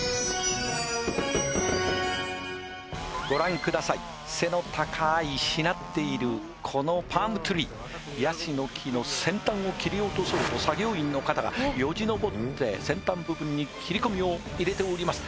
ご覧ください背の高いしなっているこのパームツリーヤシの木の先端を切り落とそうと作業員の方がよじのぼって先端部分に切り込みを入れております